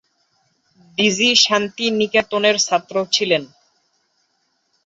D G শান্তিনিকেতনের ছাত্র ছিলেন।